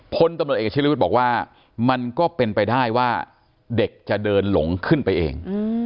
พลตำรวจเอกชิลวุฒิบอกว่ามันก็เป็นไปได้ว่าเด็กจะเดินหลงขึ้นไปเอง